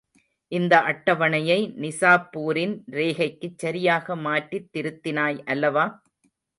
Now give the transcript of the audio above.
இந்த அட்டவணையை நிசாப்பூரின் ரேகைக்குச் சரியாக மாற்றித் திருத்தினாய் அல்லவா?